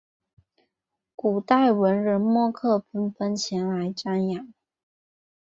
古代文人墨客纷纷前来瞻仰。